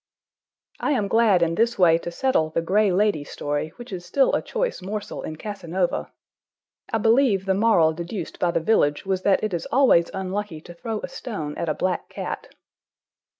I am glad in this way to settle the Gray Lady story, which is still a choice morsel in Casanova. I believe the moral deduced by the village was that it is always unlucky to throw a stone at a black cat.